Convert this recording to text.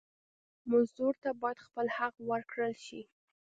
مزدور ته باید خپل حق ورکړل شي.